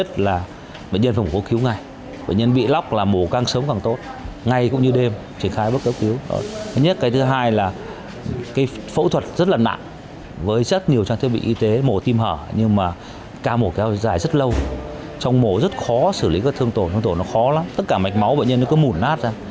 trong mổ rất khó xử lý các thương tổ thương tổ nó khó lắm tất cả mạch máu bệnh nhân nó cứ mủn nát ra